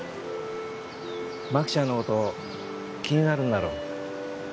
真紀ちゃんのこと気になるんだろ？